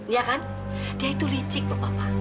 ya kan dia itu licik lho papa